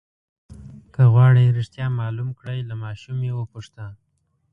که غواړئ رښتیا معلوم کړئ له ماشوم یې وپوښته.